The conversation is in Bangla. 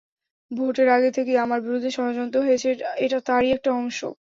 ভোটের আগে থেকেই আমার বিরুদ্ধে ষড়যন্ত্র হয়েছে, এটা তারই একটা অংশ।